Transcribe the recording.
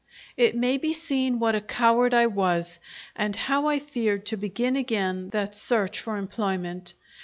It may be seen what a coward I was, and how I feared to begin again that search for employment.